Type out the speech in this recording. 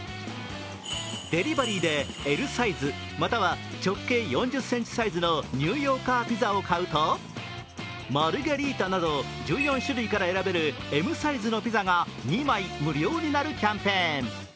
デリバリーでＬサイズ、または直径４０ｃｍサイズのニューヨーカーピザを買うとマルゲリータなど１４種類から選べるＭサイズのピザが２枚無料になるキャンペーン。